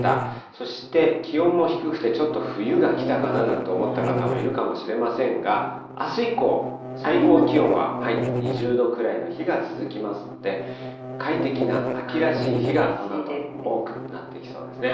そして、気温も低くて、ちょっと冬が来たかななんて思った方もいるかもしれませんが、あす以降、最高気温は２０度くらいの日が続きますので、快適な秋らしい日がこのあと多くなっていきそうですね。